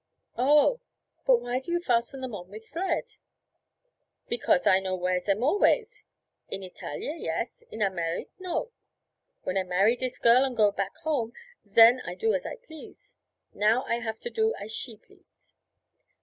'Oh! But why do you fasten them on with thread?' 'Because I no wear zem always. In Italia, yes; in Amerik', no. When I marry dis girl and go back home, zen I do as I please, now I haf to do as she please.'